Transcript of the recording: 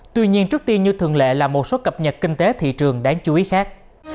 tuy nhiên trước tiên như thường lệ là một số cập nhật kinh tế thị trường đáng chú ý khác